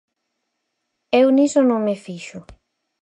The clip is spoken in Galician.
Eu niso non me fixo.